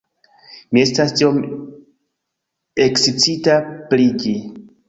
Mi estas tiom ekscita pri ĝi